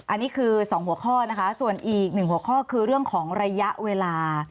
อันนี้คือ๒หัวข้อนะคะส่วนอีกหนึ่งหัวข้อคือเรื่องของระยะเวลา